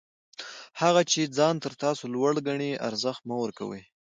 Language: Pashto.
هغه چي ځان تر تاسي لوړ ګڼي، ارزښت مه ورکوئ!